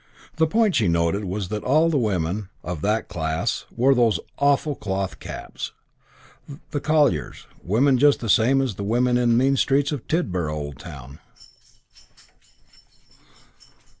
The point she noted was that all the women "of that class" wore "those awful cloth caps", the colliers' women just the same as the women in the mean streets of Tidborough Old Town.